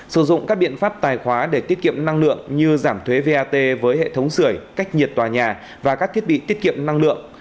sử dụng các biện pháp tài khoá để tiết kiệm năng lượng như giảm thuế vat với hệ thống sửa cách nhiệt tòa nhà và các thiết bị tiết kiệm năng lượng